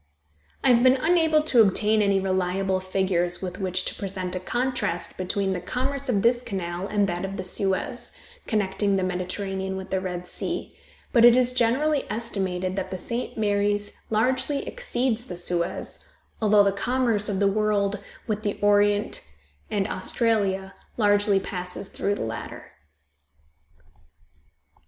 I have been unable to obtain any reliable figures with which to present a contrast between the commerce of this canal and that of the Suez, connecting the Mediterranean with the Red Sea, but it is generally estimated that the St. Mary's largely exceeds the Suez, although the commerce of the world with the Orient and Australia largely passes through the latter.